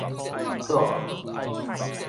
倒